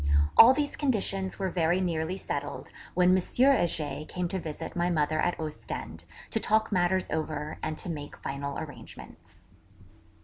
All these conditions were very nearly settled, when M. Heger came to visit my mother at Ostend; to talk matters over and to make final arrangements.